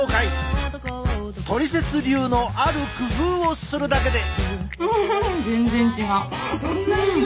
トリセツ流のある工夫をするだけで。